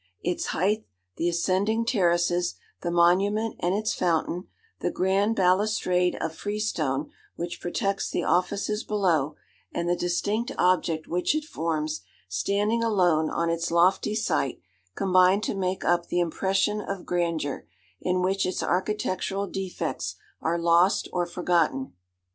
Its height, the ascending terraces, the monument and its fountain, the grand balustrade of freestone which protects the offices below, and the distinct object which it forms, standing alone on its lofty site, combine to make up the impression of grandeur, in which its architectural defects are lost or forgotten.